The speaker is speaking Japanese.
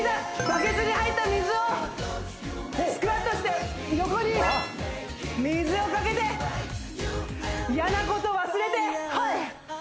バケツに入った水をスクワットして横に水をかけて嫌なこと忘れてホイッ！